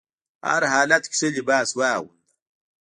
هر حالت کې ښه لباس واغونده.